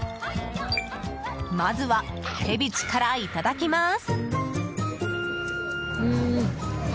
まずはてびちからいただきます！